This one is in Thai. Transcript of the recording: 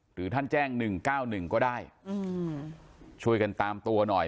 หรือท่านแจ้งหนึ่งเก้าหนึ่งก็ได้อืมช่วยกันตามตัวหน่อย